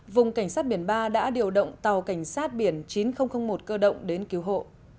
vùng cảnh sát biển ba đã điều động tàu cảnh sát biển chín nghìn một cơ động đến cứu hộ